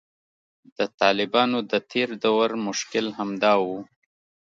د طالبانو د تیر دور مشکل همدا و